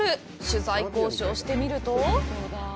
取材交渉してみると。